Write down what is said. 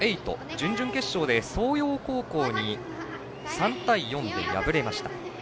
準々決勝で相洋高校に３対４で敗れました。